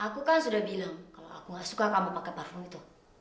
aku kan sudah bilang kalau aku gak suka kamu pakai platform itu